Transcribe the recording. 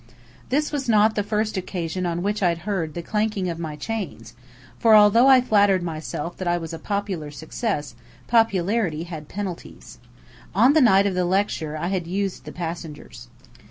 This was not the first occasion on which I'd heard the clanking of my chains, for, although I flattered myself that I was a popular success, popularity had penalties. On the night of the lecture I had used the passengers.